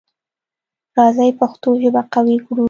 راځی پښتو ژبه قوي کړو.